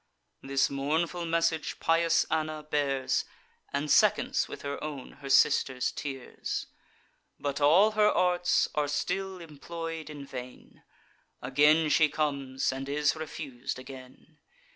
This mournful message pious Anna bears, And seconds with her own her sister's tears: But all her arts are still employ'd in vain; Again she comes, and is refus'd again.